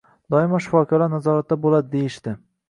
Doimo shifokorlar nazoratida bo`ladi deyishdi